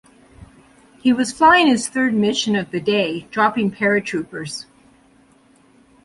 He was flying his third mission of the day, dropping paratroopers.